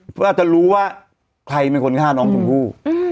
เพื่ออาจจะรู้ว่าใครเป็นคนฆ่าน้องชมพู่